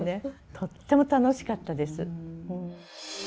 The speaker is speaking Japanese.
とっても楽しかったです。